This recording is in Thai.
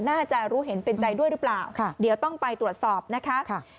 น่าจะรู้เห็นเป็นใจด้วยหรือเปล่าเดี๋ยวต้องไปตรวจสอบนะคะ